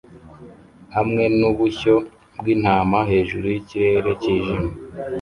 hamwe nubushyo bwintama hejuru yikirere cyijimye